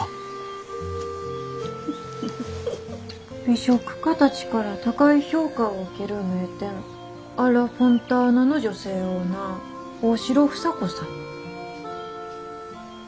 「美食家たちから高い評価を受ける名店『アッラ・フォンターナ』の女性オーナー大城房子さん」。